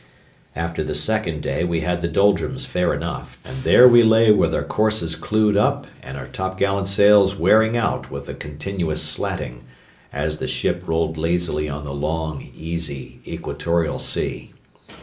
After the second day we had the doldrums fair enough, and there we lay with our courses clewed up and our t'gallantsails wearing out with the continuous slatting, as the ship rolled lazily on the long, easy equatorial sea.